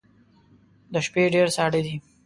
د شپې ډیر ساړه دی